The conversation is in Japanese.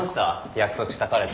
約束した彼と。